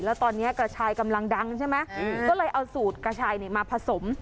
แล้วตอนนี้กระชายกำลังดังใช่ไหมก็เลยเอาสูตรกระชายมาผสม